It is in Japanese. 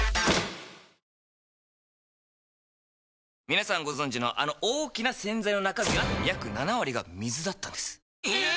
皆さんご存知のあの大きな洗剤の中身は約７割が水だったんですええっ！